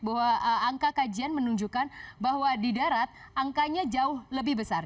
bahwa angka kajian menunjukkan bahwa di darat angkanya jauh lebih besar